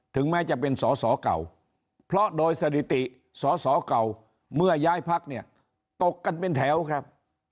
แม้จะเป็นสอสอเก่าเพราะโดยสถิติสอสอเก่าเมื่อย้ายพักเนี่ยตกกันเป็นแถวครับ